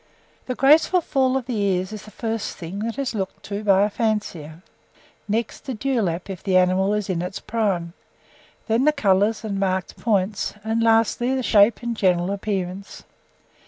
The graceful fall of the ears is the first thing that is looked to by the fancier; next, the dewlap, if the animal is in its prime; then the colours and marked points, and, lastly, the shape and general appearance.